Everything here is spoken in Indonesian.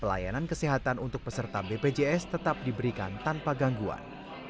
pelayanan kesehatan untuk peserta bpjs tetap diberikan tanpa gangguan